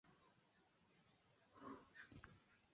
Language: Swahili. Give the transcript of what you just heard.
washiriki wa timu ya uokoaji walitoroka